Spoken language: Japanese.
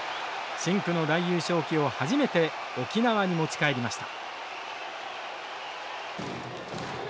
深紅の大優勝旗を初めて沖縄に持ち帰りました。